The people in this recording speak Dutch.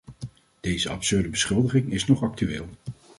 Deze absurde beschuldiging is nog actueel.